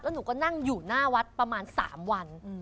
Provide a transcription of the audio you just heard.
หนูก็นั่งอยู่หน้าวัดประมาณ๓วัน